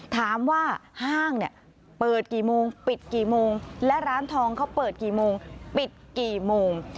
ห้างเนี่ยเปิดกี่โมงปิดกี่โมงและร้านทองเขาเปิดกี่โมงปิดกี่โมง